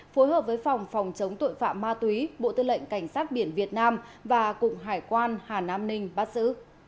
phối hợp với phòng phòng chống tội phạm ma túy bộ tư lệnh cảnh sát biển việt nam và cục hải quan hà nam ninh bắt giữ